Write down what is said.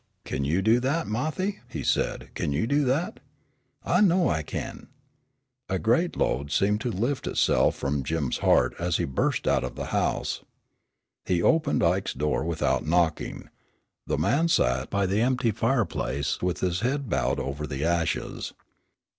"Kin you do that, Marthy?" he said. "Kin you do that?" "I know I kin." A great load seemed to lift itself from Jim's heart as he burst out of the house. He opened Ike's door without knocking. The man sat by the empty fireplace with his head bowed over the ashes.